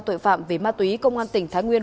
tội phạm về ma túy công an tỉnh thái nguyên